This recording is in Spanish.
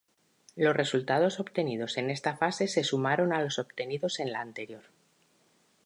Los resultados obtenidos en esta fase se sumaron a los obtenidos en la anterior.